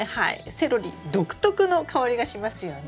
セロリ独特の香りがしますよね。